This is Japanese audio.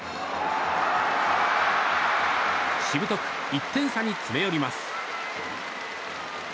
しぶとく１点差に詰め寄ります。